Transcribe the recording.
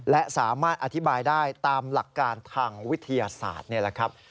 และสามารถอธิบายได้ตามหลักการทางวิทยาศาสตร์นี่แหละครับ